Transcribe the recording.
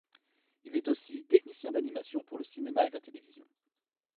Il est aussi technicien d'animation pour le cinéma et la télévision.